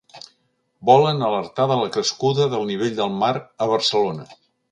Volen alertar de la crescuda del nivell del mar a Barcelona.